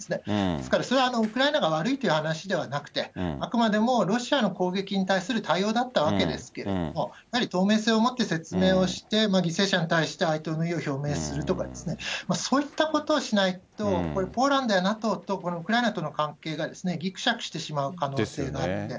ですからそれはウクライナが悪いという話ではなくて、あくまでもロシアの攻撃に対する対応だったわけですけれども、やはり透明性を持って説明をして、犠牲者に対して哀悼の意を表明するとかですね、そういったことをしないと、ポーランドやＮＡＴＯと、このウクライナとの関係がぎくしゃくしてしまう可能性があって。